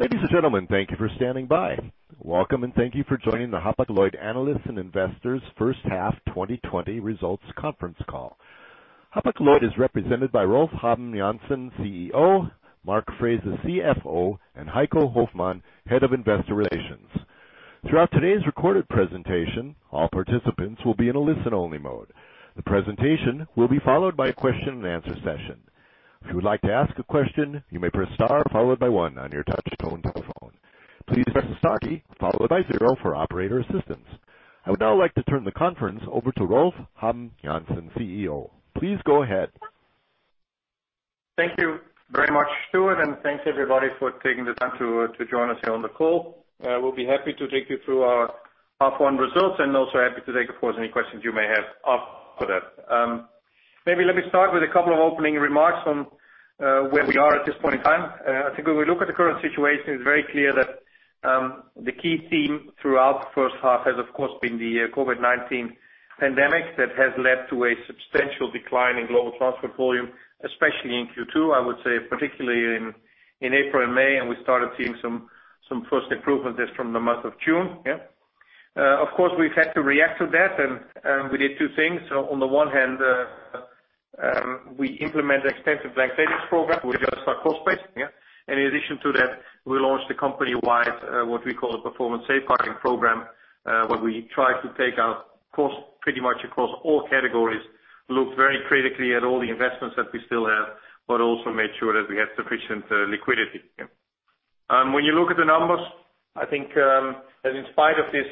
Ladies and gentlemen, thank you for standing by. Welcome, and thank you for joining the Hapag-Lloyd Analysts and Investors First Half 2020 Results Conference Call. Hapag-Lloyd is represented by Rolf Habben Jansen, CEO; Mark Frese, CFO; and Heiko Hoffmann, Head of Investor Relations. Throughout today's recorded presentation, all participants will be in a listen-only mode. The presentation will be followed by a question-and-answer session. If you would like to ask a question, you may press star followed by one on your touch-tone telephone. Please press star key followed by zero for operator assistance. I would now like to turn the conference over to Rolf Habben Jansen, CEO. Please go ahead. Thank you very much, Stuart, and thanks everybody for taking the time to join us here on the call. We'll be happy to take you through our half-year results and also happy to take, of course, any questions you may have after that. Maybe let me start with a couple of opening remarks on where we are at this point in time. I think when we look at the current situation, it's very clear that the key theme throughout the first half has, of course, been the COVID-19 pandemic that has led to a substantial decline in global transport volume, especially in Q2, I would say, particularly in April and May, and we started seeing some first improvements just from the month of June. Of course, we've had to react to that, and we did two things. On the one hand, we implemented an extensive blank sailings program. adjusted our cost base. in addition to that, we launched a company-wide, what we call a Performance Safeguarding Program, where we tried to take our costs pretty much across all categories, looked very critically at all the investments that we still have, but also made sure that we had sufficient liquidity. When you look at the numbers, I think that in spite of this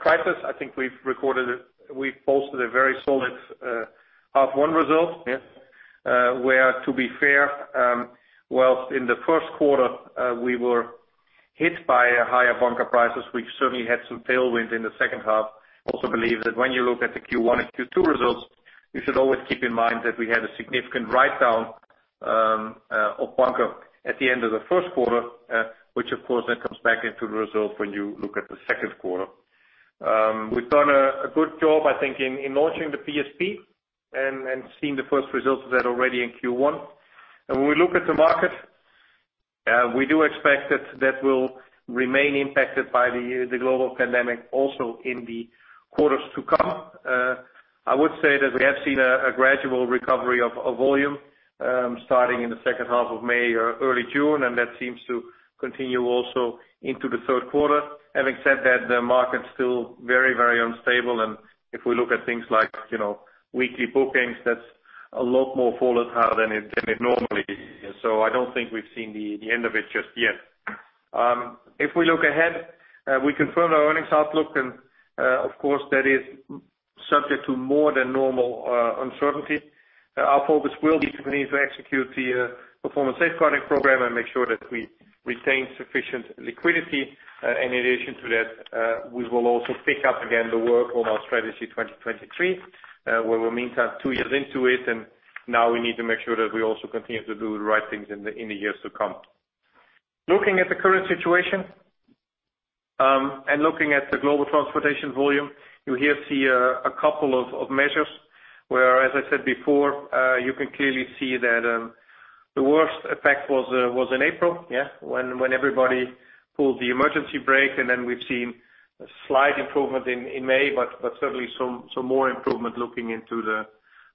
crisis, I think we've recorded it. We've posted a very solid half-year result, where, to be fair, while in the first quarter we were hit by higher bunker prices, we certainly had some tailwind in the second half. Also believe that when you look at the Q1 and Q2 results, you should always keep in mind that we had a significant write-down of bunkers at the end of the first quarter, which, of course, then comes back into the result when you look at the second quarter. We've done a good job, I think, in launching the PSP and seeing the first results of that already in Q1. And when we look at the market, we do expect that that will remain impacted by the global pandemic also in the quarters to come. I would say that we have seen a gradual recovery of volume starting in the second half of May or early June, and that seems to continue also into the third quarter. Having said that, the market's still very, very unstable, and if we look at things like weekly bookings, that's a lot more volatile than it normally is. So I don't think we've seen the end of it just yet. If we look ahead, we confirmed our earnings outlook, and of course, that is subject to more than normal uncertainty. Our focus will be to continue to execute the Performance Safeguarding Program and make sure that we retain sufficient liquidity. In addition to that, we will also pick up again the work on our Strategy 2023, where we're meeting two years into it, and now we need to make sure that we also continue to do the right things in the years to come. Looking at the current situation and looking at the global transportation volume, you here see a couple of measures where, as I said before, you can clearly see that the worst effect was in April when everybody pulled the emergency brake, and then we've seen a slight improvement in May, but certainly some more improvement looking into the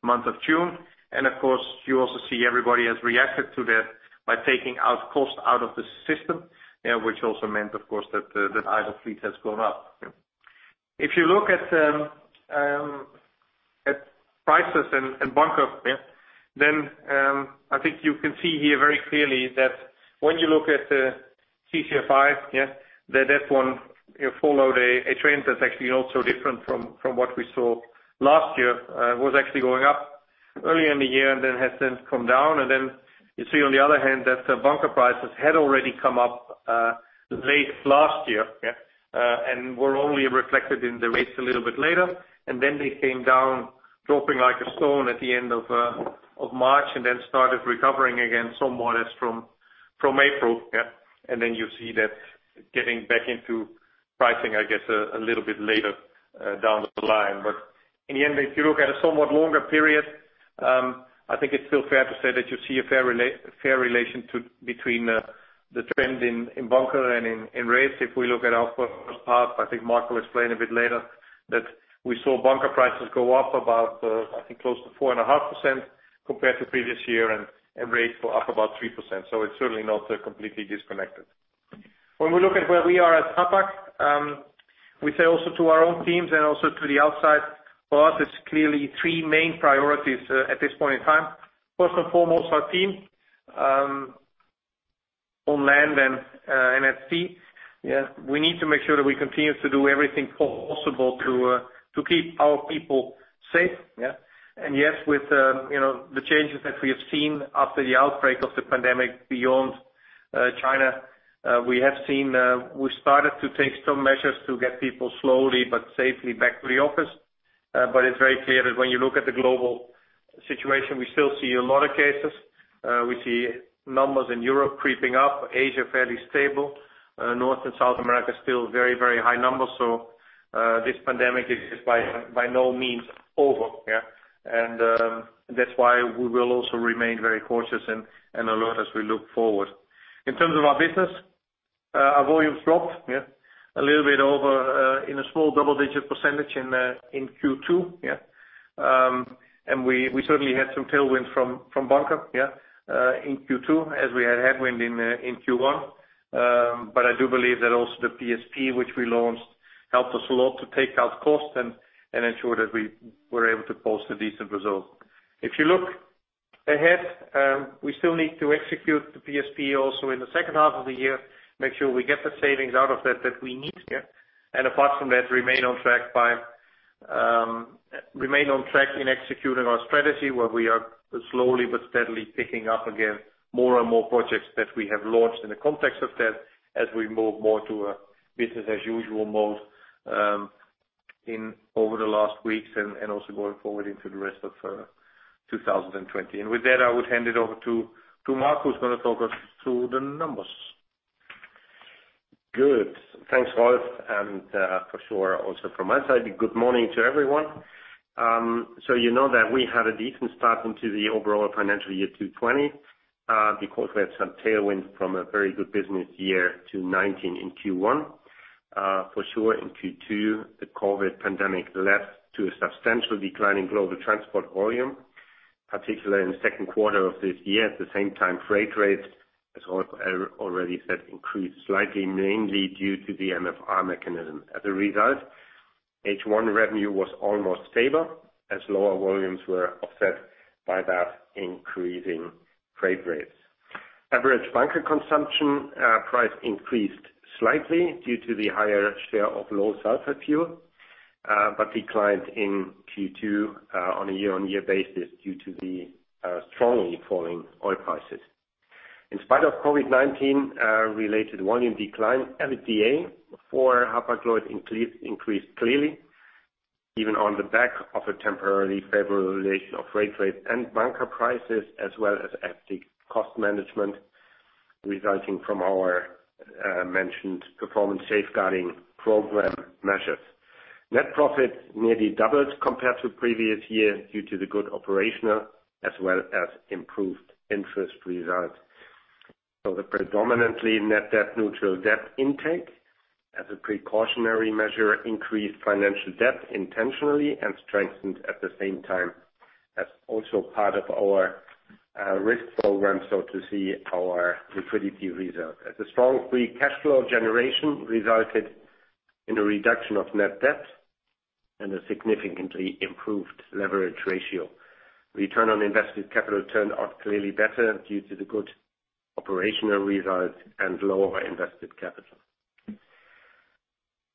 month of June. And of course, you also see everybody has reacted to that by taking costs out of the system, which also meant, of course, that idle fleet has gone up. If you look at prices and bunkers, then I think you can see here very clearly that when you look at the SCFI, that one followed a trend that's actually not so different from what we saw last year. It was actually going up earlier in the year and then has since come down. And then you see on the other hand that the bunker prices had already come up late last year and were only reflected in the rates a little bit later. And then they came down, dropping like a stone at the end of March, and then started recovering again somewhat as from April. And then you see that getting back into pricing, I guess, a little bit later down the line. But in the end, if you look at a somewhat longer period, I think it's still fair to say that you see a fair relation between the trend in bunkers and in rates. If we look at our first part, I think Mark will explain a bit later that we saw bunker prices go up about, I think, close to 4.5% compared to previous year, and rates were up about 3%. So it's certainly not completely disconnected. When we look at where we are at Hapag-Lloyd, we say also to our own teams and also to the outside, for us, it's clearly three main priorities at this point in time. First and foremost, our team on land and at sea. We need to make sure that we continue to do everything possible to keep our people safe, and yes, with the changes that we have seen after the outbreak of the pandemic beyond China, we have seen we've started to take some measures to get people slowly but safely back to the office, but it's very clear that when you look at the global situation, we still see a lot of cases. We see numbers in Europe creeping up, Asia fairly stable, North and South America still very, very high numbers, so this pandemic is by no means over. That's why we will also remain very cautious and alert as we look forward. In terms of our business, our volumes dropped a little bit by a small double-digit percentage in Q2. We certainly had some tailwind from bunkers in Q2 as we had headwind in Q1. I do believe that also the PSP, which we launched, helped us a lot to take out costs and ensure that we were able to post a decent result. If you look ahead, we still need to execute the PSP also in the second half of the year, make sure we get the savings out of that that we need. Apart from that, remain on track in executing our strategy where we are slowly but steadily picking up again more and more projects that we have launched in the context of that as we move more to a business-as-usual mode over the last weeks and also going forward into the rest of 2020. With that, I would hand it over to Mark who's going to talk us through the numbers. Good. Thanks, Rolf. And for sure, also from my side, good morning to everyone. So you know that we had a decent start into the overall financial year 2020 because we had some tailwind from a very good business year to 2019 in Q1. For sure, in Q2, the COVID pandemic led to a substantial decline in global transport volume, particularly in the second quarter of this year. At the same time, freight rates, as Rolf already said, increased slightly, mainly due to the MFR mechanism. As a result, H1 revenue was almost stable as lower volumes were offset by that increasing freight rates. Average bunker consumption price increased slightly due to the higher share of low sulfur fuel, but declined in Q2 on a year-on-year basis due to the strongly falling oil prices. In spite of COVID-19-related volume decline, EBIT for Hapag-Lloyd increased clearly, even on the back of a temporary favorable relation of freight rates and bunker prices, as well as effective cost management resulting from our mentioned Performance Safeguarding Program measures. Net profit nearly doubled compared to previous year due to the good operational as well as improved interest results, so the predominantly net debt neutral debt intake as a precautionary measure increased financial debt intentionally and strengthened at the same time as also part of our risk program so to see our liquidity results. As a strong free cash flow generation resulted in a reduction of net debt and a significantly improved leverage ratio. Return on invested capital turned out clearly better due to the good operational results and lower invested capital.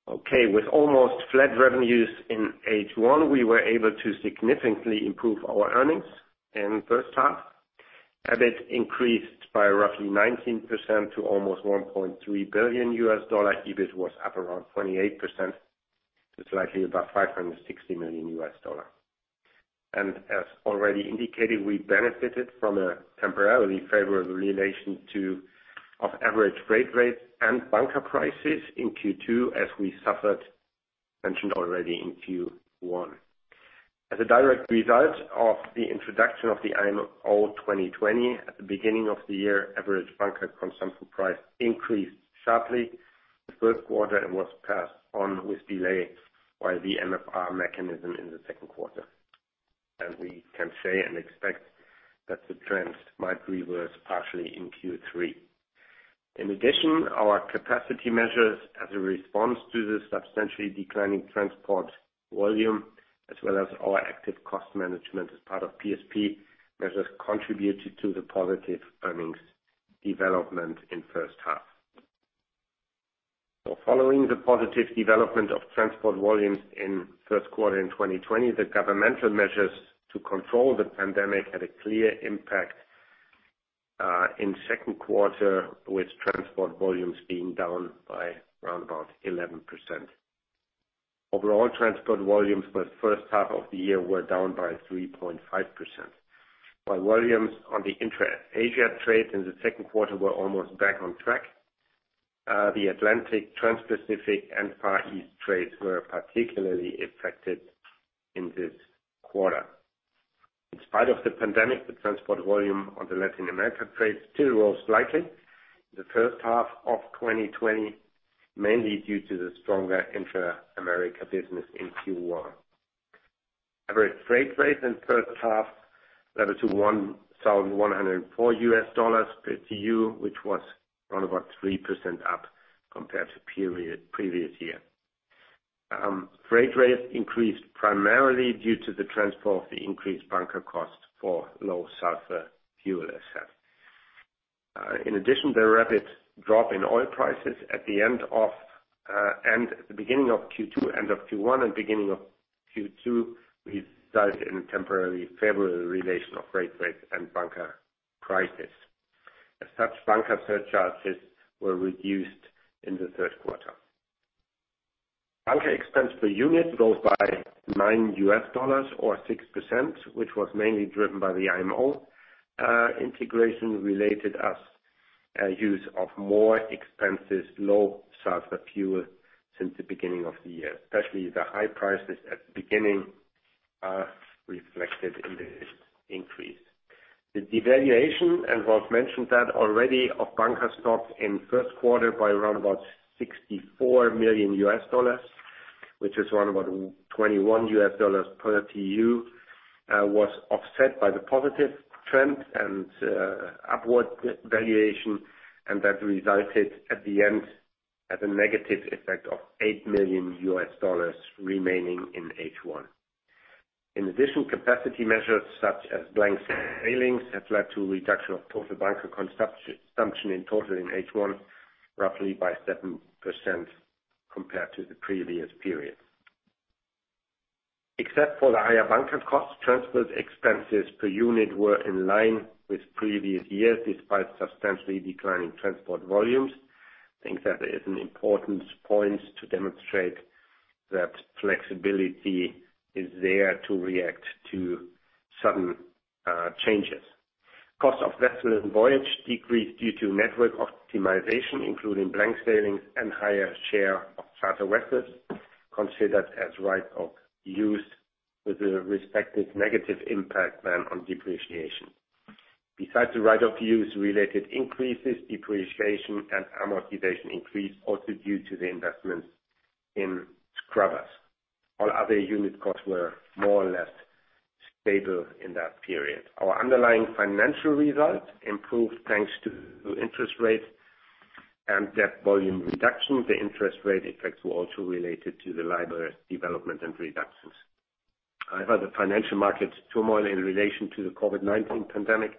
Okay, with almost flat revenues in H1, we were able to significantly improve our earnings in the first half. EBIT increased by roughly 19% to almost $1.3 billion. EBIT was up around 28% to slightly above $560 million. And as already indicated, we benefited from a temporarily favorable relation to average freight rates and bunker prices in Q2 as we suffered, mentioned already, in Q1. As a direct result of the introduction of the IMO 2020, at the beginning of the year, average bunker consumption price increased sharply the first quarter and was passed on with delay by the MFR mechanism in the second quarter. And we can say and expect that the trends might reverse partially in Q3. In addition, our capacity measures as a response to the substantially declining transport volume, as well as our active cost management as part of PSP, measures contributed to the positive earnings development in the first half. Following the positive development of transport volumes in the first quarter in 2020, the governmental measures to control the pandemic had a clear impact in the second quarter, with transport volumes being down by around about 11%. Overall, transport volumes for the first half of the year were down by 3.5%, while volumes on the Intra-Asia trade in the second quarter were almost back on track. The Atlantic, Trans-Pacific, and Far East trades were particularly affected in this quarter. In spite of the pandemic, the transport volume on the Latin America trade still rose slightly in the first half of 2020, mainly due to the stronger Intra-America business in Q1. Average freight rates in the first half leveled to $1,104 per TEU, which was around about 3% up compared to the previous year. Freight rates increased primarily due to the transfer of the increased bunker cost for low sulfur fuel assets. In addition, the rapid drop in oil prices at the end of and at the beginning of Q2, end of Q1, and beginning of Q2 resulted in a temporarily favorable relation of freight rates and bunker prices. As such, bunker surcharges were reduced in the third quarter. bunker expense per unit rose by $9 or 6%, which was mainly driven by the IMO regulation related to the use of more expensive low sulfur fuel since the beginning of the year. Especially, the high prices at the beginning are reflected in this increase. The devaluation, and Rolf mentioned that already, of bunker stocks in the first quarter by around about $64 million, which is around about $21 per TEU, was offset by the positive trend and upward valuation, and that resulted at the end at a negative effect of $8 million remaining in H1. In addition, capacity measures such as blank sailings have led to a reduction of total bunker consumption in total in H1 roughly by 7% compared to the previous period. Except for the higher bunker costs, transport expenses per unit were in line with previous years despite substantially declining transport volumes. I think that is an important point to demonstrate that flexibility is there to react to sudden changes. Cost of vessel and voyage decreased due to network optimization, including blank sailings and higher share of charter vessels considered as right-of-use, with the respective negative impact then on depreciation. Besides the right-of-use-related increases, depreciation and amortization increased also due to the investments in scrubbers. All other unit costs were more or less stable in that period. Our underlying financial result improved thanks to interest rates and debt volume reduction. The interest rate effects were also related to the liability's development and reductions. However, the financial market turmoil in relation to the COVID-19 pandemic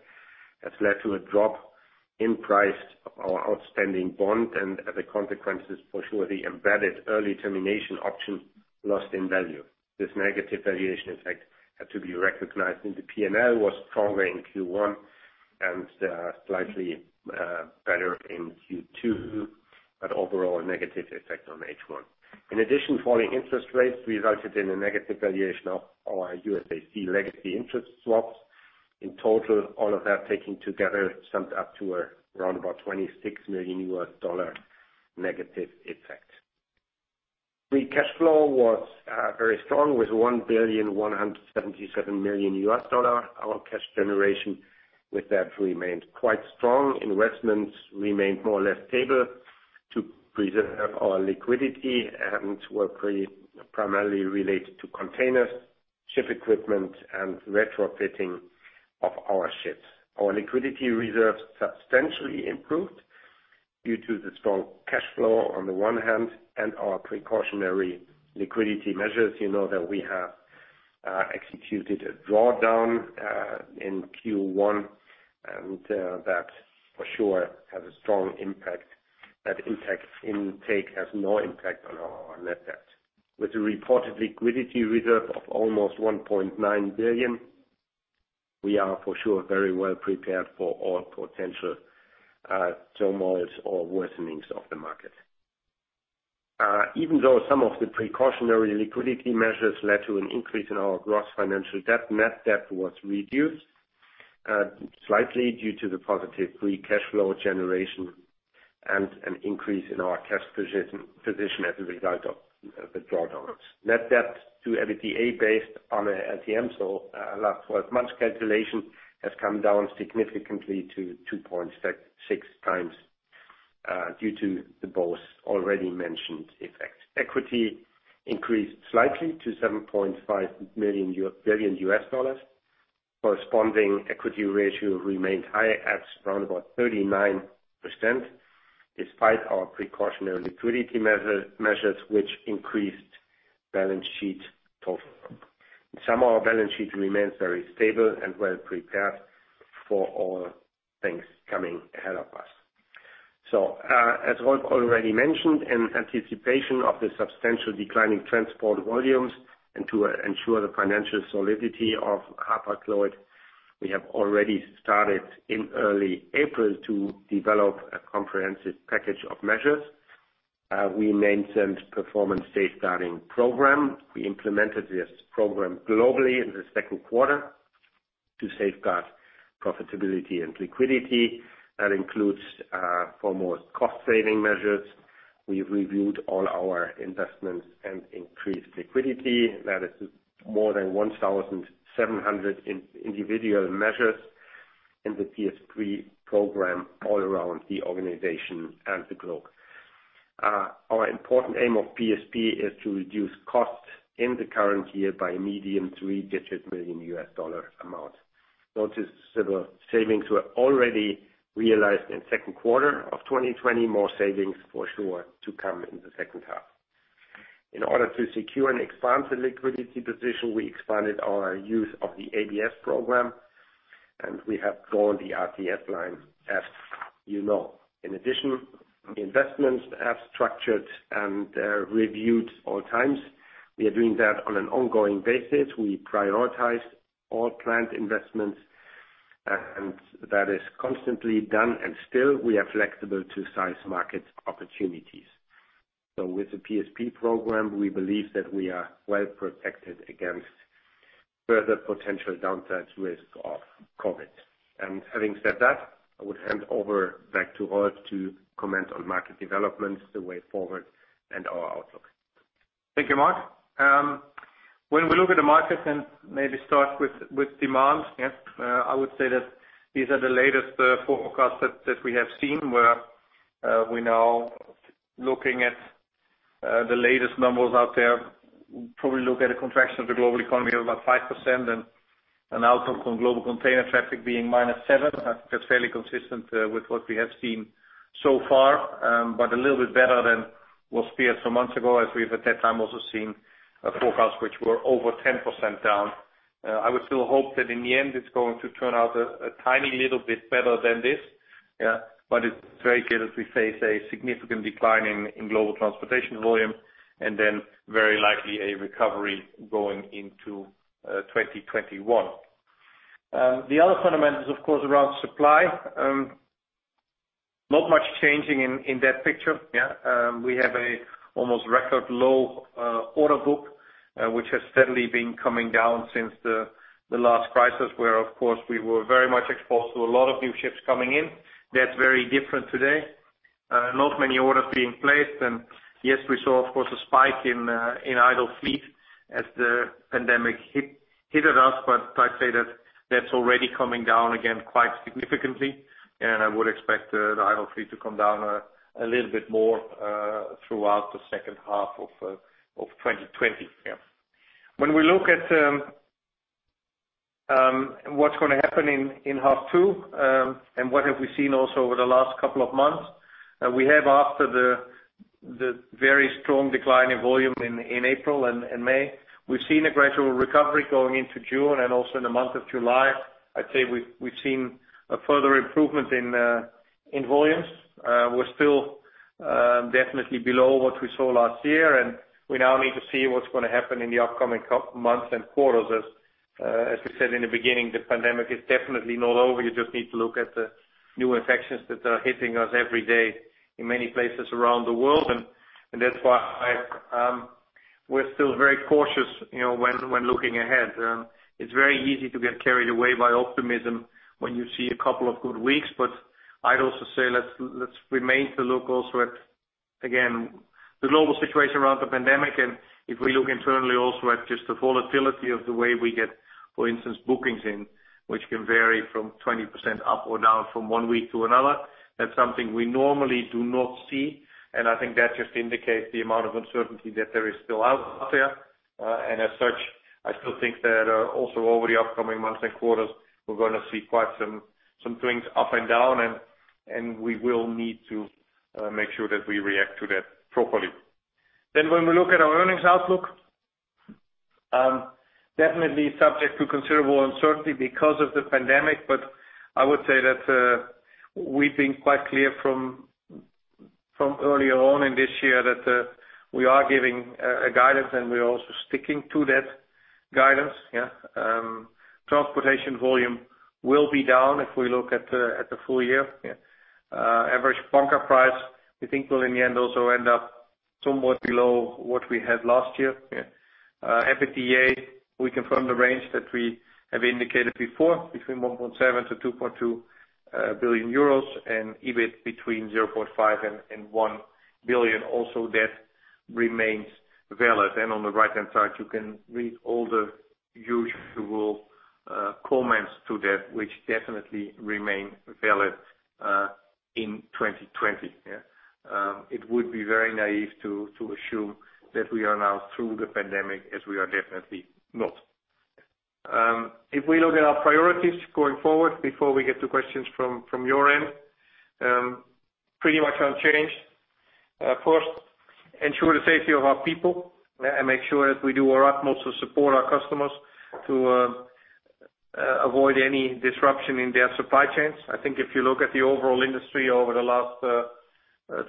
has led to a drop in price of our outstanding bond, and as a consequence, for sure, the embedded early termination option lost in value. This negative valuation effect had to be recognized in the P&L, was stronger in Q1 and slightly better in Q2, but overall negative effect on H1. In addition, falling interest rates resulted in a negative valuation of our UASC legacy interest swaps. In total, all of that taken together summed up to around about $26 million negative effect. Free cash flow was very strong with $1.177 billion. Our cash generation with that remained quite strong. Investments remained more or less stable to preserve our liquidity and were primarily related to containers, ship equipment, and retrofitting of our ships. Our liquidity reserves substantially improved due to the strong cash flow on the one hand and our precautionary liquidity measures. You know that we have executed a drawdown in Q1, and that for sure has a strong impact. That impact intake has no impact on our net debt. With a reported liquidity reserve of almost $1.9 billion, we are for sure very well prepared for all potential turmoils or worsenings of the market. Even though some of the precautionary liquidity measures led to an increase in our gross financial debt, net debt was reduced slightly due to the positive free cash flow generation and an increase in our cash position as a result of the drawdowns. Net debt to EBIT based on an LTM, so last 12 months calculation, has come down significantly to 2.6 times due to the both already mentioned effects. Equity increased slightly to $7.5 billion. Corresponding equity ratio remained high at around about 39% despite our precautionary liquidity measures, which increased balance sheet total. In summary, our balance sheet remains very stable and well prepared for all things coming ahead of us. As Rolf already mentioned, in anticipation of the substantial declining transport volumes and to ensure the financial solidity of Hapag-Lloyd, we have already started in early April to develop a comprehensive package of measures. We maintained a performance safeguarding program. We implemented this program globally in the second quarter to safeguard profitability and liquidity. That includes foremost cost-saving measures. We have reviewed all our investments and increased liquidity. That is more than 1,700 individual measures in the PSP program all around the organization and the globe. Our important aim of PSP is to reduce costs in the current year by a medium three-digit million US dollar amount. Note that the savings were already realized in the second quarter of 2020. More savings for sure to come in the second half. In order to secure and expand the liquidity position, we expanded our use of the ABS program, and we have drawn the RCF line as you know. In addition, the investments have been structured and reviewed at all times. We are doing that on an ongoing basis. We prioritized all planned investments, and that is constantly done and still we are flexible to seize market opportunities, so with the PSP program, we believe that we are well protected against further potential downside risks of COVID, and having said that, I would hand over to Rolf to comment on market developments, the way forward, and our outlook. Thank you, Mark. When we look at the markets and maybe start with demand, I would say that these are the latest forecasts that we have seen where we're now looking at the latest numbers out there. We probably look at a contraction of the global economy of about 5% and an outlook on global container traffic being -7%. I think that's fairly consistent with what we have seen so far, but a little bit better than what we had some months ago as we've at that time also seen forecasts which were over 10% down. I would still hope that in the end it's going to turn out a tiny little bit better than this, but it's very good that we face a significant decline in global transportation volume and then very likely a recovery going into 2021. The other fundamentals, of course, around supply. Not much changing in that picture. We have an almost record low order book which has steadily been coming down since the last crisis where, of course, we were very much exposed to a lot of new ships coming in. That's very different today. Not many orders being placed, and yes, we saw, of course, a spike in idle fleet as the pandemic hit us, but I'd say that's already coming down again quite significantly, and I would expect the idle fleet to come down a little bit more throughout the second half of 2020. When we look at what's going to happen in half two and what we've seen also over the last couple of months, we have, after the very strong decline in volume in April and May, seen a gradual recovery going into June and also in the month of July. I'd say we've seen a further improvement in volumes. We're still definitely below what we saw last year, and we now need to see what's going to happen in the upcoming months and quarters. As we said in the beginning, the pandemic is definitely not over. You just need to look at the new infections that are hitting us every day in many places around the world. And that's why we're still very cautious when looking ahead. It's very easy to get carried away by optimism when you see a couple of good weeks, but I'd also say let's remain to look also at, again, the global situation around the pandemic. And if we look internally also at just the volatility of the way we get, for instance, bookings in, which can vary from 20% up or down from one week to another, that's something we normally do not see. And I think that just indicates the amount of uncertainty that there is still out there. As such, I still think that also over the upcoming months and quarters, we're going to see quite some swings up and down, and we will need to make sure that we react to that properly. Then when we look at our earnings outlook, definitely subject to considerable uncertainty because of the pandemic, but I would say that we've been quite clear from earlier on in this year that we are giving guidance, and we're also sticking to that guidance. Transportation volume will be down if we look at the full year. Average bunkers price, we think, will in the end also end up somewhat below what we had last year. EBIT, we confirmed the range that we have indicated before between 1.7-2.2 billion euros and EBIT between 0.5 and 1 billion. Also, that remains valid. And on the right-hand side, you can read all the usual comments to that, which definitely remain valid in 2020. It would be very naive to assume that we are now through the pandemic, as we are definitely not. If we look at our priorities going forward, before we get to questions from your end, pretty much unchanged. First, ensure the safety of our people and make sure that we do our utmost to support our customers to avoid any disruption in their supply chains. I think if you look at the overall industry over the last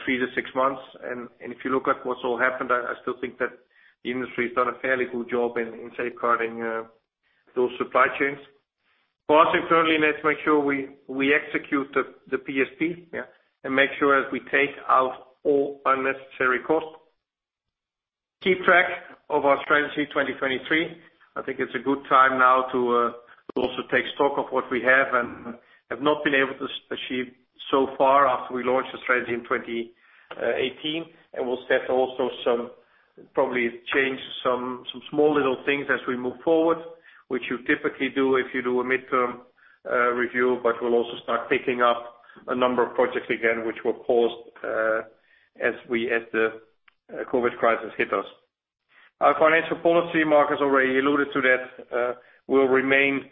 three to six months, and if you look at what's all happened, I still think that the industry has done a fairly good job in safeguarding those supply chains. For us internally, let's make sure we execute the PSP and make sure as we take out all unnecessary costs. Keep track of our Strategy 2023. I think it's a good time now to also take stock of what we have and have not been able to achieve so far after we launched the strategy in 2018, and we'll set also some probably change some small little things as we move forward, which you typically do if you do a midterm review, but we'll also start picking up a number of projects again, which were paused as the COVID crisis hit us. Our financial policy, Mark has already alluded to that, will remain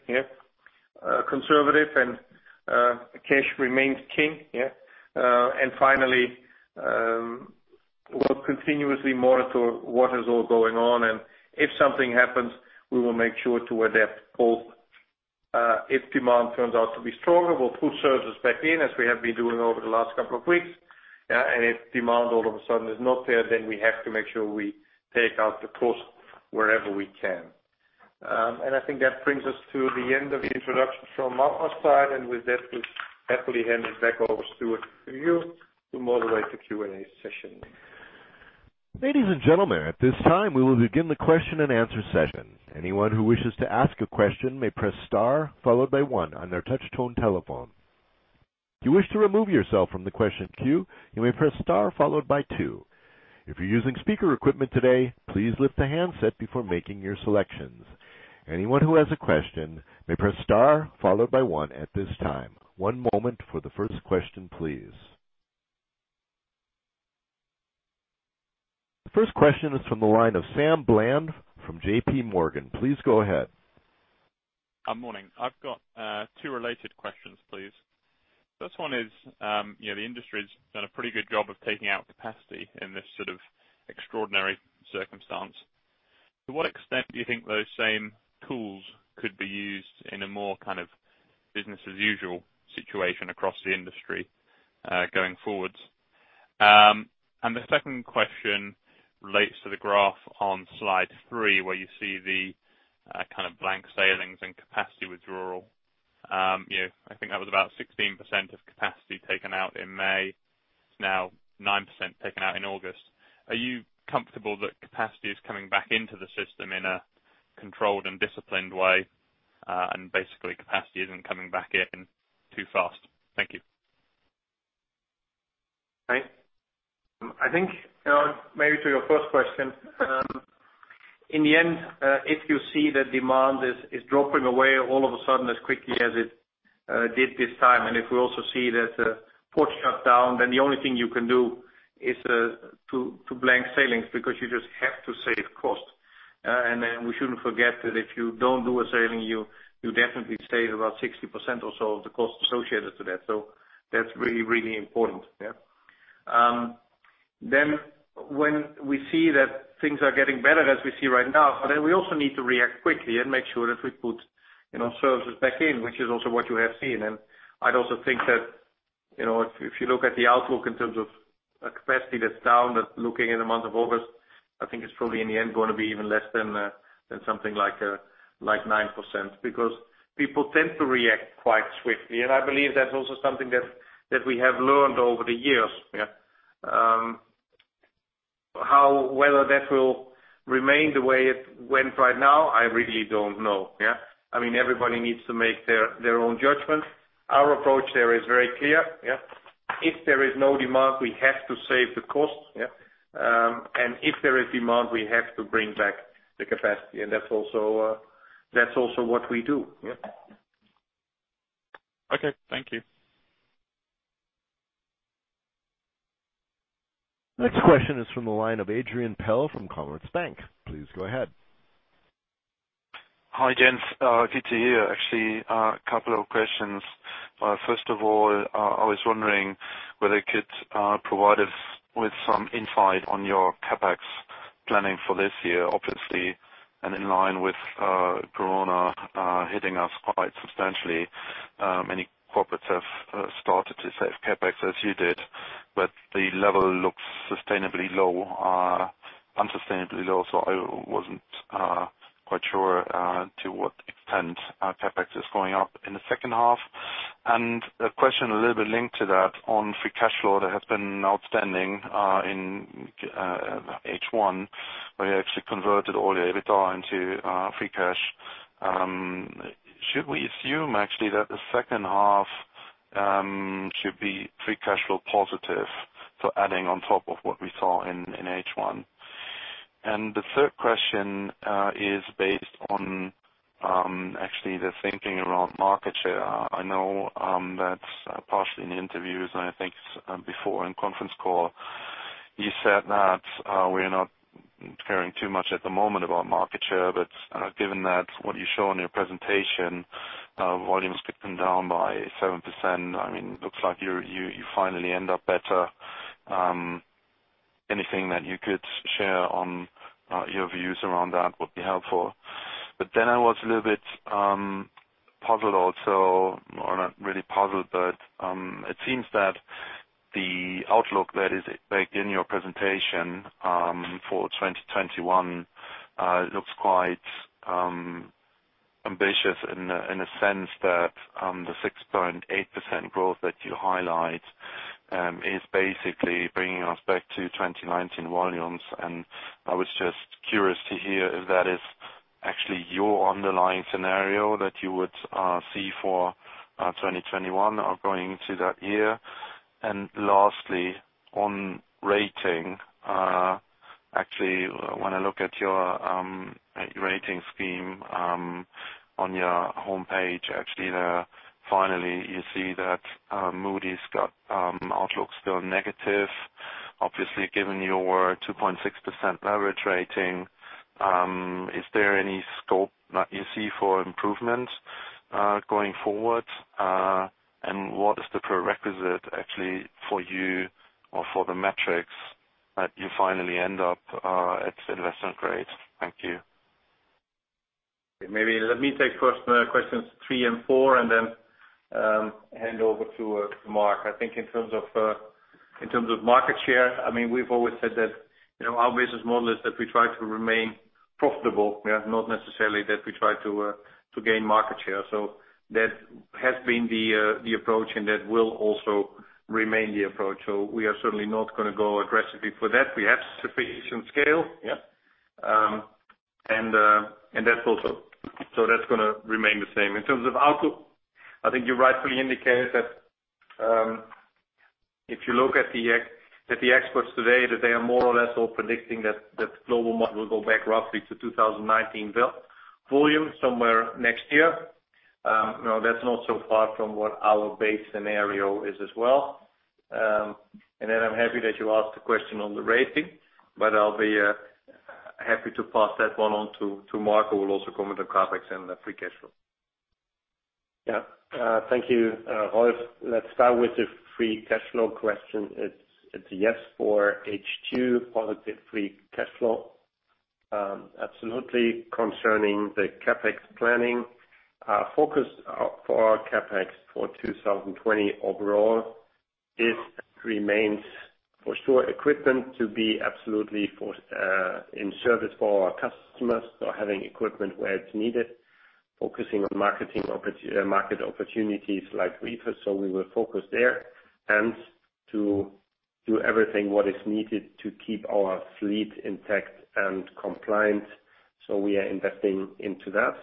conservative and cash remains king, and finally, we'll continuously monitor what is all going on, and if something happens, we will make sure to adapt both. If demand turns out to be stronger, we'll push services back in as we have been doing over the last couple of weeks. And if demand all of a sudden is not there, then we have to make sure we take out the cost wherever we can. And I think that brings us to the end of the introduction from our side. And with that, we'll happily hand it back over to you to moderate the Q&A session. Ladies and gentlemen, at this time, we will begin the question and answer session. Anyone who wishes to ask a question may press star followed by one on their touch-tone telephone. If you wish to remove yourself from the question queue, you may press star followed by two. If you're using speaker equipment today, please lift the handset before making your selections. Anyone who has a question may press star followed by one at this time. One moment for the first question, please. The first question is from the line of Sam Bland from J.P. Morgan. Please go ahead. Good morning. I've got two related questions, please. First one is the industry has done a pretty good job of taking out capacity in this sort of extraordinary circumstance. To what extent do you think those same tools could be used in a more kind of business-as-usual situation across the industry going forward? And the second question relates to the graph on slide three where you see the kind of blank sailings and capacity withdrawal. I think that was about 16% of capacity taken out in May. It's now 9% taken out in August. Are you comfortable that capacity is coming back into the system in a controlled and disciplined way and basically capacity isn't coming back in too fast? Thank you. Okay. I think maybe to your first question, in the end, if you see that demand is dropping away all of a sudden as quickly as it did this time, and if we also see that port shut down, then the only thing you can do is to blank sailings because you just have to save cost, and then we shouldn't forget that if you don't do a sailing, you definitely save about 60% or so of the cost associated to that, so that's really, really important, then when we see that things are getting better as we see right now, then we also need to react quickly and make sure that we put services back in, which is also what you have seen. And I'd also think that if you look at the outlook in terms of capacity that's down, that looking in the month of August, I think it's probably in the end going to be even less than something like 9% because people tend to react quite swiftly. And I believe that's also something that we have learned over the years. Whether that will remain the way it went right now, I really don't know. I mean, everybody needs to make their own judgment. Our approach there is very clear. If there is no demand, we have to save the cost. And if there is demand, we have to bring back the capacity. And that's also what we do. Okay. Thank you. Next question is from the line of Adrian Pehl from Commerzbank. Please go ahead. Hi Gents. Good to hear. Actually, a couple of questions. First of all, I was wondering whether you could provide us with some insight on your CapEx planning for this year, obviously, and in line with Corona hitting us quite substantially. Many corporates have started to save CapEx as you did, but the level looks unsustainably low. So I wasn't quite sure to what extent CapEx is going up in the second half. And a question a little bit linked to that on free cash flow that has been outstanding in H1 where you actually converted all your EBIT into free cash. Should we assume actually that the second half should be free cash flow positive for adding on top of what we saw in H1? And the third question is based on actually the thinking around market share. I know that's partially in the interviews, and I think before in conference call, you said that we're not caring too much at the moment about market share, but given that what you show on your presentation, volumes could come down by 7%. I mean, it looks like you finally end up better. Anything that you could share on your views around that would be helpful. But then I was a little bit puzzled also, or not really puzzled, but it seems that the outlook that is in your presentation for 2021 looks quite ambitious in the sense that the 6.8% growth that you highlight is basically bringing us back to 2019 volumes. And I was just curious to hear if that is actually your underlying scenario that you would see for 2021 or going into that year? And lastly, on rating, actually, when I look at your rating scheme on your homepage, actually, finally, you see that Moody's got outlook still negative. Obviously, given your 2.6% leverage rating, is there any scope that you see for improvement going forward? And what is the prerequisite actually for you or for the metrics that you finally end up at investment grade? Thank you. Maybe let me take first the questions three and four and then hand over to Mark. I think in terms of market share, I mean, we've always said that our business model is that we try to remain profitable, not necessarily that we try to gain market share. So that has been the approach, and that will also remain the approach. So we are certainly not going to go aggressively for that. We have sufficient scale, and that's also. So that's going to remain the same. In terms of outlook, I think you rightfully indicated that if you look at the experts today, that they are more or less all predicting that global might go back roughly to 2019 volume somewhere next year. That's not so far from what our base scenario is as well. And then I'm happy that you asked the question on the rating, but I'll be happy to pass that one on to Mark, who will also comment on CapEx and free cash flow. Yeah. Thank you, Rolf. Let's start with the free cash flow question. It's a yes for HQ, positive free cash flow. Absolutely. Concerning the CapEx planning, our focus for CapEx for 2020 overall remains for sure equipment to be absolutely in service for our customers, so having equipment where it's needed, focusing on market opportunities like reefers. We will focus there and to do everything what is needed to keep our fleet intact and compliant. We are investing into that.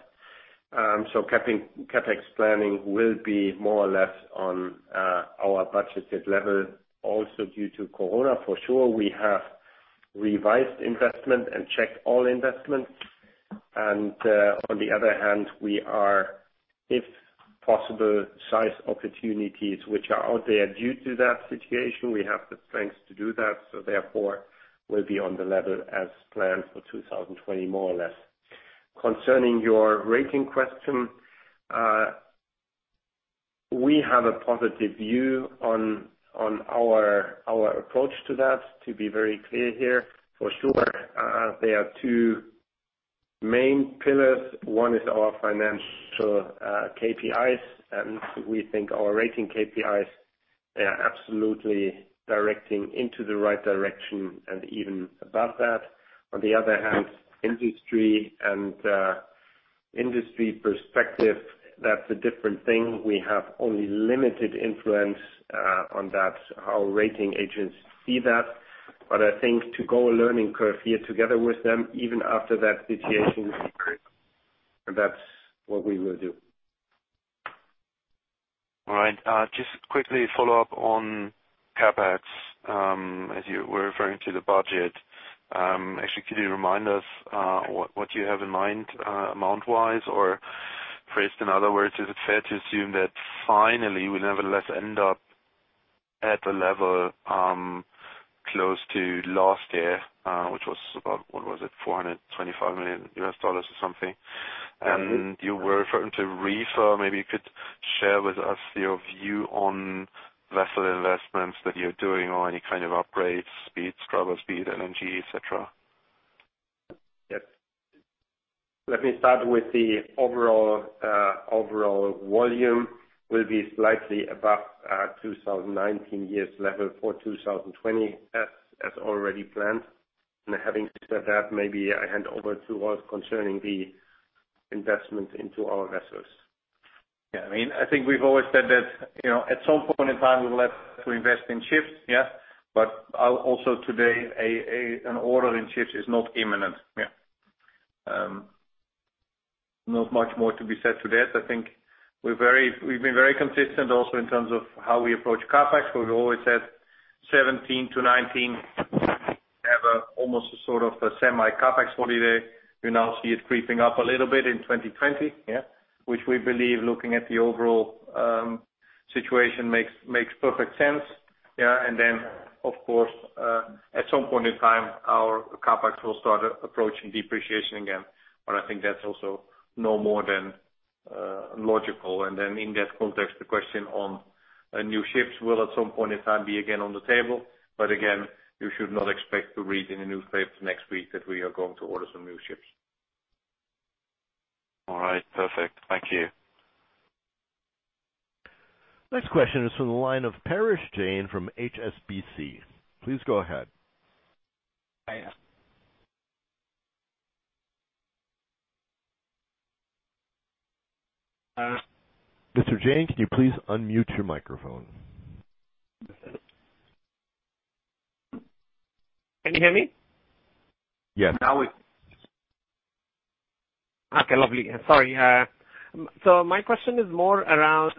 CapEx planning will be more or less on our budgeted level. Also, due to Corona, for sure, we have revised investment and checked all investments. On the other hand, we are, if possible, seize opportunities which are out there due to that situation. We have the strength to do that. Therefore, we'll be on the level as planned for 2020, more or less. Concerning your rating question, we have a positive view on our approach to that, to be very clear here. For sure, there are two main pillars. One is our financial KPIs, and we think our rating KPIs are absolutely directing into the right direction and even above that. On the other hand, industry and industry perspective, that's a different thing. We have only limited influence on that, how rating agents see that. But I think to go a learning curve here together with them, even after that situation, and that's what we will do. All right. Just quickly follow up on CapEx. As you were referring to the budget, actually, could you remind us what you have in mind amount-wise? Or phrased in other words, is it fair to assume that finally we'll nevertheless end up at the level close to last year, which was about, what was it, $425 million or something? And you were referring to reefer. Maybe you could share with us your view on vessel investments that you're doing or any kind of upgrades, speed, scrubber speed, LNG, etc. Yes. Let me start with the overall volume. We'll be slightly above 2019 year's level for 2020 as already planned, and having said that, maybe I hand over to Rolf concerning the investment into our vessels. Yeah. I mean, I think we've always said that at some point in time, we'll have to invest in ships. But also today, an order in ships is not imminent. Not much more to be said to that. I think we've been very consistent also in terms of how we approach CapEx. We've always said 2017 to 2019, we have almost a sort of semi-CapEx holiday. We now see it creeping up a little bit in 2020, which we believe, looking at the overall situation, makes perfect sense, and then, of course, at some point in time, our CapEx will start approaching depreciation again, but I think that's also no more than logical. And then in that context, the question on new ships will at some point in time be again on the table. But again, you should not expect to read in the newspaper next week that we are going to order some new ships. All right. Perfect. Thank you. Next question is from the line of Parash Jain from HSBC. Please go ahead. Mr. Jain, can you please unmute your microphone? Can you hear me? Yes. Okay. Lovely. Sorry. So my question is more around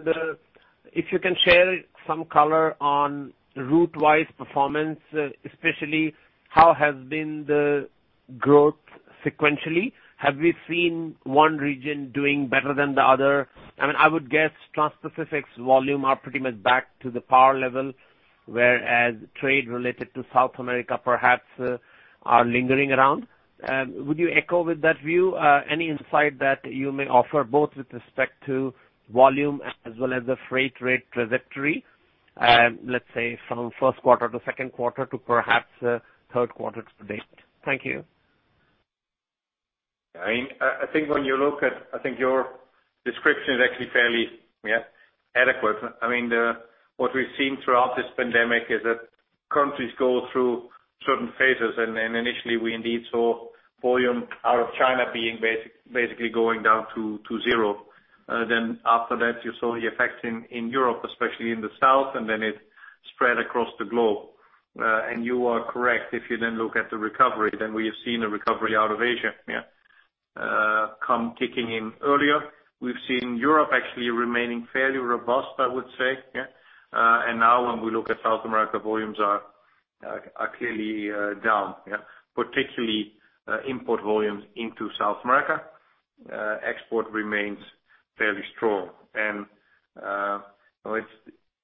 if you can share some color on route-wise performance, especially how has been the growth sequentially? Have we seen one region doing better than the other? I mean, I would guess Trans-Pacific's volume are pretty much back to the power level, whereas trade related to South America perhaps are lingering around. Would you echo with that view? Any insight that you may offer both with respect to volume as well as the freight rate trajectory, let's say from first quarter to second quarter to perhaps third quarter to date? Thank you. I think when you look at, I think your description is actually fairly adequate. I mean, what we've seen throughout this pandemic is that countries go through certain phases. And initially, we indeed saw volume out of China being basically going down to zero. Then after that, you saw the effects in Europe, especially in the south, and then it spread across the globe. And you are correct. If you then look at the recovery, then we have seen a recovery out of Asia come kicking in earlier. We've seen Europe actually remaining fairly robust, I would say. And now when we look at South America, volumes are clearly down, particularly import volumes into South America. Export remains fairly strong, and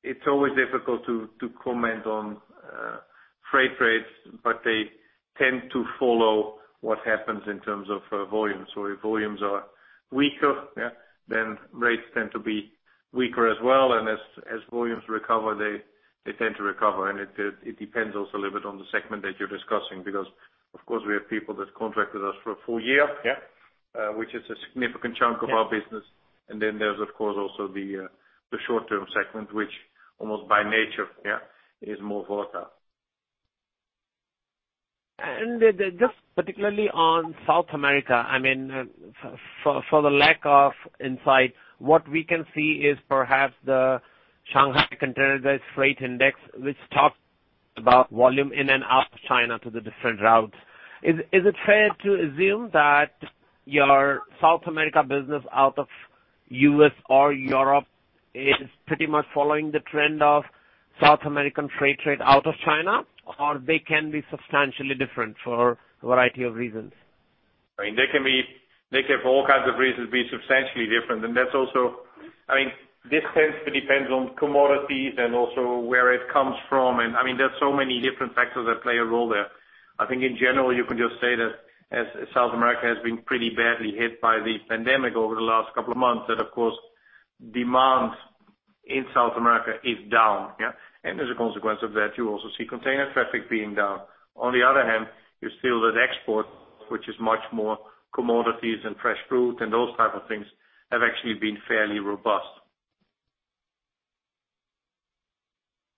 it's always difficult to comment on freight rates, but they tend to follow what happens in terms of volumes. So if volumes are weaker, then rates tend to be weaker as well, and as volumes recover, they tend to recover. And it depends also a little bit on the segment that you're discussing because, of course, we have people that contract with us for a full year, which is a significant chunk of our business. And then there's, of course, also the short-term segment, which almost by nature is more volatile. And just particularly on South America, I mean, for the lack of insight, what we can see is perhaps the Shanghai Containerized Freight Index, which talks about volume in and out of China to the different routes. Is it fair to assume that your South America business out of U.S. or Europe is pretty much following the trend of South American freight rate out of China, or they can be substantially different for a variety of reasons? I mean, they can, for all kinds of reasons, be substantially different. And that's also, I mean, this tends to depend on commodities and also where it comes from. And I mean, there's so many different factors that play a role there. I think in general, you can just say that South America has been pretty badly hit by the pandemic over the last couple of months. And of course, demand in South America is down. And as a consequence of that, you also see container traffic being down. On the other hand, you still have exports, which is much more commodities and fresh fruit and those type of things have actually been fairly robust.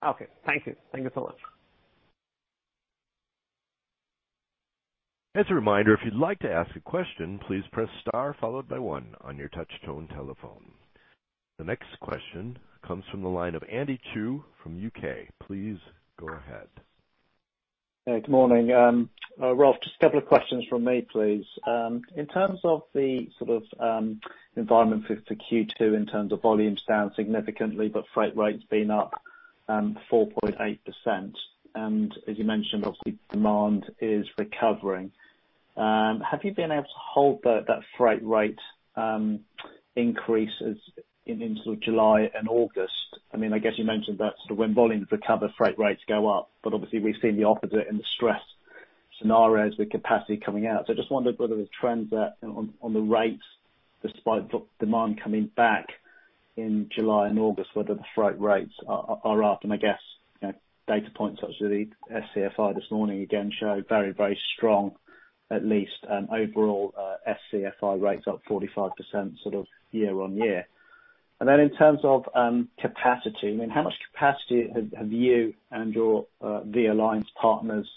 Okay. Thank you. Thank you so much. As a reminder, if you'd like to ask a question, please press star followed by one on your touch-tone telephone. The next question comes from the line of Andy Chu from UK. Please go ahead. Good morning. Hapag-Lloyd, just a couple of questions from me, please. In terms of the sort of environment for Q2, in terms of volumes down significantly, but freight rates being up 4.8%. And as you mentioned, obviously, demand is recovering. Have you been able to hold that freight rate increase into July and August? I mean, I guess you mentioned that sort of when volumes recover, freight rates go up. But obviously, we've seen the opposite in the stress scenarios with capacity coming out. So I just wondered whether the trends on the rates, despite demand coming back in July and August, whether the freight rates are up. And I guess data points such as the SCFI this morning again show very, very strong, at least overall SCFI rates up 45% sort of year on year. And then in terms of capacity, I mean, how much capacity have you and your alliance partners?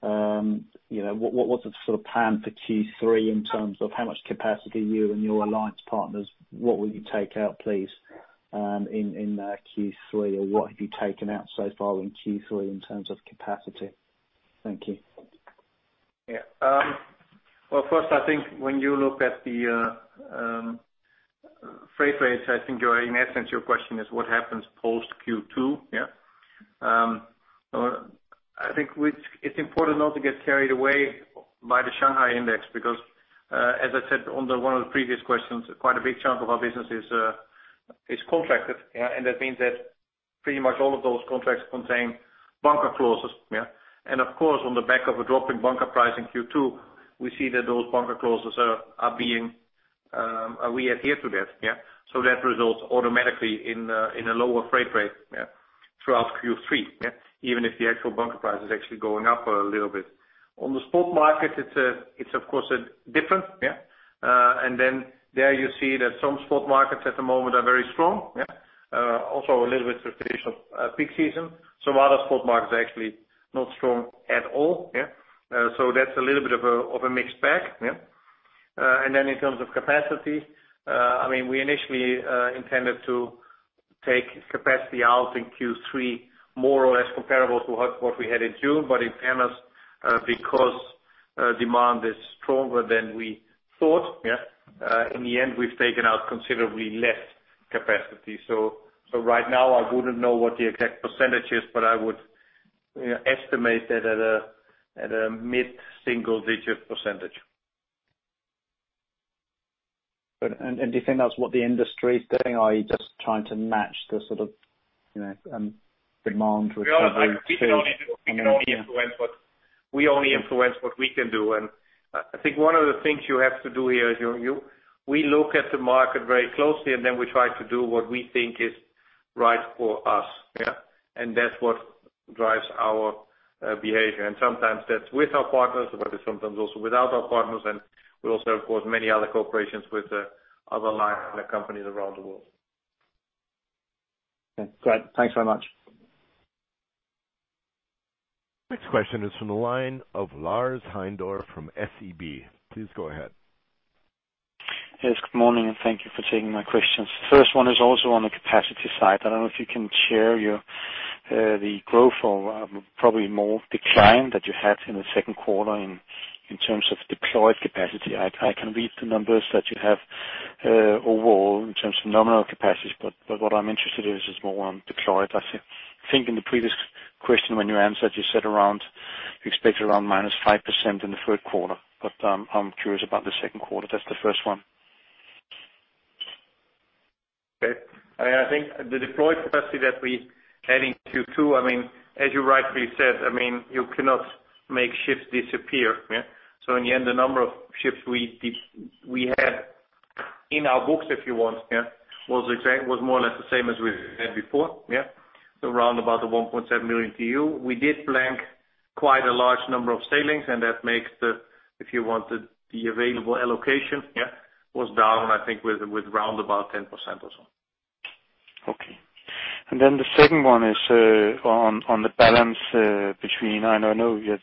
What's the sort of plan for Q3 in terms of how much capacity you and your alliance partners? What will you take out, please, in Q3? Or what have you taken out so far in Q3 in terms of capacity? Thank you. Yeah. Well, first, I think when you look at the freight rates, I think in essence, your question is what happens post Q2? I think it's important not to get carried away by the Shanghai Index because, as I said on one of the previous questions, quite a big chunk of our business is contracted. And that means that pretty much all of those contracts contain bunker clauses. And of course, on the back of a drop in bunker price in Q2, we see that those bunker clauses are being. We adhere to that. So that results automatically in a lower freight rate throughout Q3, even if the actual bunker price is actually going up a little bit. On the spot market, it's of course different. And then there you see that some spot markets at the moment are very strong, also a little bit of traditional peak season. Some other spot markets are actually not strong at all. So that's a little bit of a mixed bag. And then in terms of capacity, I mean, we initially intended to take capacity out in Q3 more or less comparable to what we had in June. But in fairness, because demand is stronger than we thought, in the end, we've taken out considerably less capacity. So right now, I wouldn't know what the exact percentage is, but I would estimate that at a mid-single-digit percentage. And do you think that's what the industry is doing? Are you just trying to match the sort of demand recovery? We only influence what we can do. And I think one of the things you have to do here is we look at the market very closely, and then we try to do what we think is right for us. And that's what drives our behavior. And sometimes that's with our partners, but it's sometimes also without our partners. And we also, of course, have many other corporations with other large companies around the world. Okay. Great. Thanks very much. Next question is from the line of Lars Heindorff from SEB. Please go ahead. Yes. Good morning, and thank you for taking my questions. The first one is also on the capacity side. I don't know if you can share the growth or probably more decline that you had in the second quarter in terms of deployed capacity. I can read the numbers that you have overall in terms of nominal capacity. But what I'm interested in is more on deployed. I think in the previous question, when you answered, you said you expected around -5% in the third quarter. But I'm curious about the second quarter. That's the first one. Okay. I mean, I think the deployed capacity that we had in Q2, I mean, as you rightfully said, I mean, you cannot make ships disappear. So in the end, the number of ships we had in our books, if you want, was more or less the same as we had before. So round about the 1.7 million TEU. We did blank quite a large number of sailings, and that makes the, if you want, the available allocation was down, I think, with round about 10% or so. Okay. And then the second one is on the balance between, I know you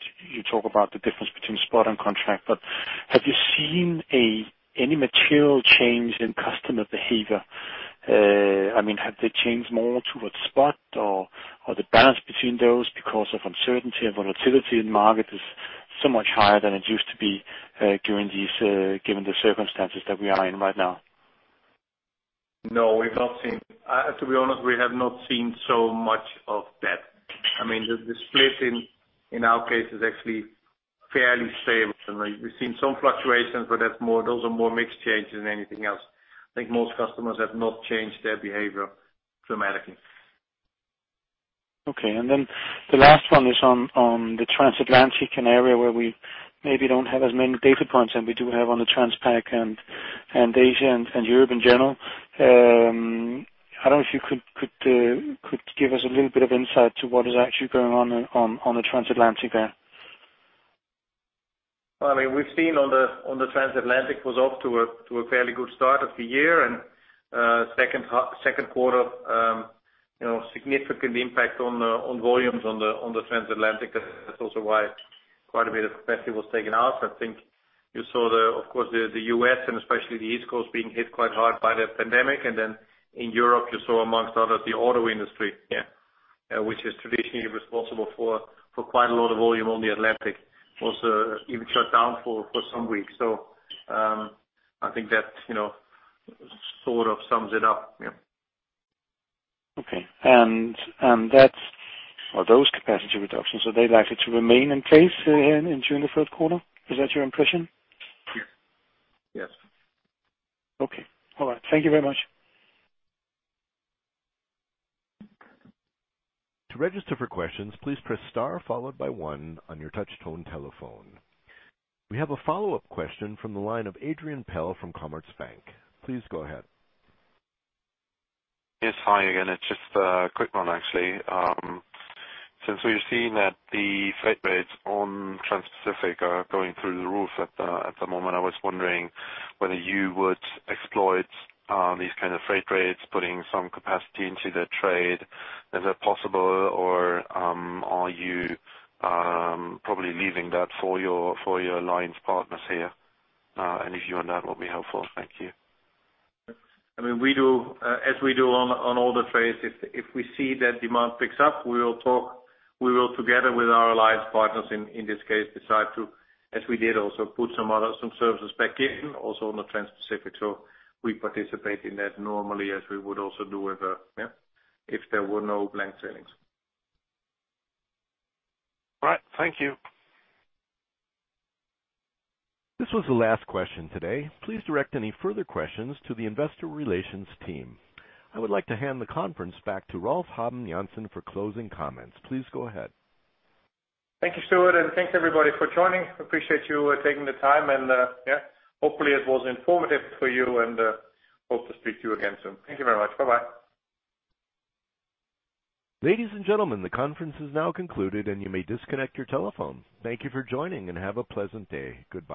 talk about the difference between spot and contract, but have you seen any material change in customer behavior? I mean, have they changed more towards spot or the balance between those because of uncertainty and volatility in market is so much higher than it used to be given the circumstances that we are in right now? No, we've not seen. To be honest, we have not seen so much of that. I mean, the split in our case is actually fairly stable. We've seen some fluctuations, but those are more mixed changes than anything else. I think most customers have not changed their behavior dramatically. Okay. And then the last one is on the Trans-Atlantic and area where we maybe don't have as many data points. And we do have on the Transpac and Asia and Europe in general. I don't know if you could give us a little bit of insight to what is actually going on on the Trans-Atlantic there. Well, I mean, we've seen on the Trans-Atlantic was off to a fairly good start of the year. And second quarter, significant impact on volumes on the Trans-Atlantic. That's also why quite a bit of capacity was taken out. I think you saw, of course, the U.S. and especially the East Coast being hit quite hard by the pandemic. And then in Europe, you saw, among others, the auto industry, which is traditionally responsible for quite a lot of volume on the Atlantic, was even shut down for some weeks. So I think that sort of sums it up. Okay. And those capacity reductions, are they likely to remain in place in June the third quarter? Is that your impression? Yes. Yes. Okay. All right. Thank you very much. To register for questions, please press star followed by one on your touch-tone telephone. We have a follow-up question from the line of Adrian Pehl from Commerzbank. Please go ahead. Yes. Hi, again. It's just a quick one, actually. Since we've seen that the freight rates on Trans-Pacific are going through the roof at the moment, I was wondering whether you would exploit these kinds of freight rates, putting some capacity into the trade. Is that possible, or are you probably leaving that for your alliance partners here? And if you want that, that will be helpful. Thank you. I mean, as we do on all the trades, if we see that demand picks up, we will talk. We will, together with our alliance partners, in this case, decide to, as we did, also put some services back in, also on the Trans-Pacific. So we participate in that normally, as we would also do if there were no blank sailings. All right. Thank you. This was the last question today. Please direct any further questions to the investor relations team. I would like to hand the conference back to Rolf Habben Jansen for closing comments. Please go ahead. Thank you, Stuart, and thanks, everybody, for joining. Appreciate you taking the time, and hopefully, it was informative for you, and hope to speak to you again soon. Thank you very much. Bye-bye. Ladies and gentlemen, the conference has now concluded, and you may disconnect your telephones. Thank you for joining, and have a pleasant day. Goodbye.